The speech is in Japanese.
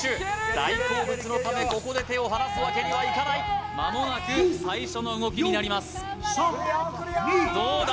大好物のためここで手を離すわけにはいかないまもなく最初の動きになりますどうだ？